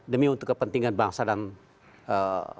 demi untuk kepentingan bangsa dan rakyat indonesia